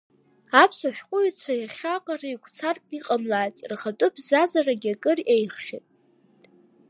Аԥсуа шәҟәыҩҩцәа иахьа аҟара игәцаракны иҟамлац, рхатә бзазарагьы акыр еиӷьхеит.